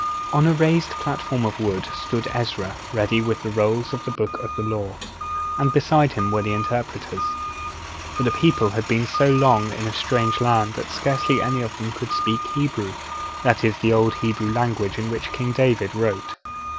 On a raised platform of wood stood Ezra ready with the rolls of the Books of the Law, and beside him were the interpreters. For the people had been so long in a strange land that scarcely any of them could speak Hebrew; that is, the old Hebrew language in which King David wrote.